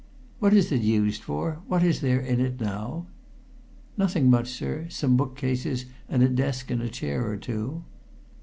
"What is it used for? What is there in it now?" "Nothing much, sir. Some book cases and a desk and a chair or two."